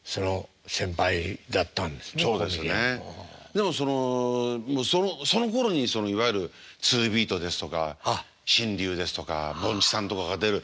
でもそのころにいわゆるツービートですとか紳竜ですとかぼんちさんとかが出る。